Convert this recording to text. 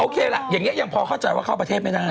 โอเคแหละอย่างนี้เฉพาะเข้าใจว่าเข้าประเทศไม่ได้